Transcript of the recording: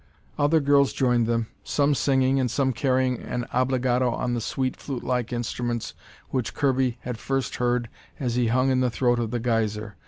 Other girls joined them, some singing and some carrying an obligato on the sweet, flutelike instruments which Kirby had first heard as he hung in the throat of the geyser.